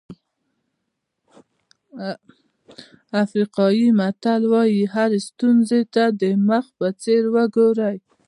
افریقایي متل وایي هرې ستونزې ته د مېخ په څېر وګورئ.